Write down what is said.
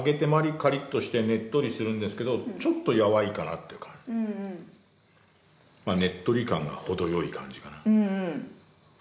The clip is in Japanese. カリッとしてねっとりしてるんですけどちょっとやわいかなっていうかねっとり感が程よい感じかな。